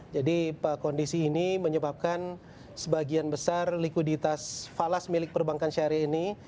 jadi kondisi ini menyebabkan sebagian besar likuiditas falas milik perbankan syariah ini